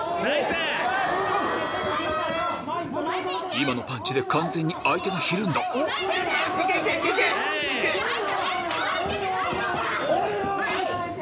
・今のパンチで完全に相手がひるんだ・行け行け行け！